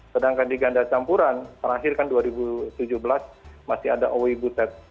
sedangkan di ganda campuran terakhir kan dua ribu tujuh belas masih ada owi butet